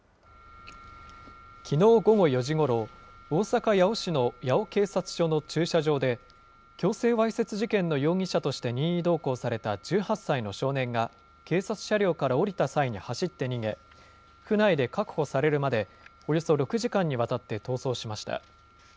きのう午後４時ごろ、大阪・八尾市の八尾警察署の駐車場で、強制わいせつ事件の容疑者として任意同行された１８歳の少年が警察車両から降りた際に走って逃げ、府内で確保されるまで、およそ６時間にわたって逃走しました。